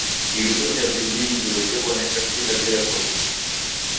Iriso jape jiinjiro jew'oneka kila jerekoghe nicha.